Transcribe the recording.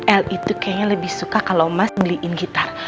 el itu kayaknya lebih suka kalau mas beliin gitar